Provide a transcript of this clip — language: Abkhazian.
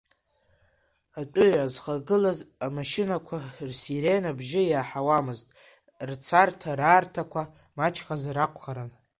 Атәыҩа зхагылаз амашьынақәа рсирена бжьы иаҳауамызт, рцарҭа-раарҭақәа маҷхазар акәхарын.